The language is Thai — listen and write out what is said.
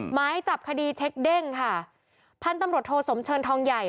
หมายจับคดีเช็คเด้งค่ะพันธุ์ตำรวจโทสมเชิญทองใหญ่